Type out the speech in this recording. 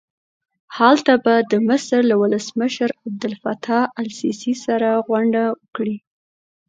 هلته به د مصر له ولسمشر عبدالفتاح السیسي سره غونډه وکړي.